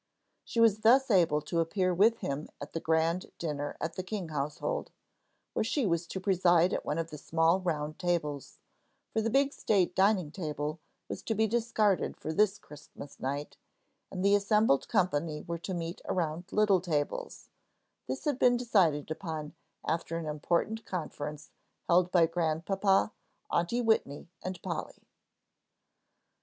She was thus able to appear with him at the grand dinner at the King household, where she was to preside at one of the small round tables, for the big state dining table was to be discarded for this Christmas night, and the assembled company were to meet around little tables; this had been decided upon after an important conference held by Grandpapa, Aunty Whitney, and Polly.